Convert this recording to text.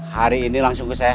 hari ini langsung ke saya